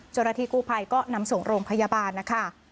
จรภิกู้ไผ่ก็นำส่งโรงพยาบาลนะคะ